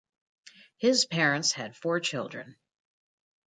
His parents had four children.